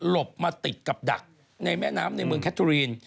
บมาติดกับดักในแม่น้ำในเมืองแคทโทรีน